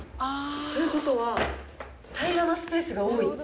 ということは、平らなスペースが多い。